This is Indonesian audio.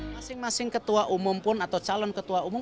masing masing ketua umum pun atau calon ketua umum